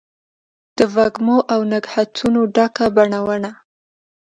د وږمو او نګهتونو ډک بڼوڼه